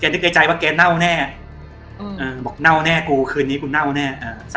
แกนึกใจว่าแกน่าวแน่แกนึกใจว่าแกน้าวแน่